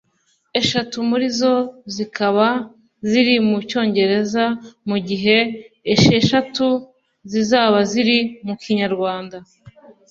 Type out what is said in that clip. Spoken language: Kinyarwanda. eshatu muri zo zikazaba ziri mu cyongereza mu gihe esheshatu zizaba ziri mu Kinyarwanda